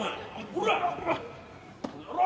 この野郎！